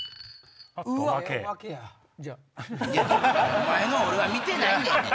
お前のを俺は見てないねん！